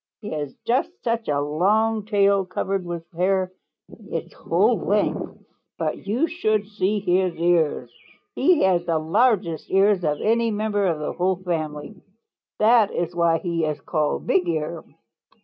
He has just such a long tail covered with hair its whole length. But you should see his ears. He has the largest ears of any member of the whole family. That is why he is called Bigear.